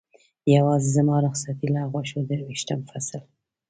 یوازې زما رخصتي لغوه شوه، درویشتم فصل.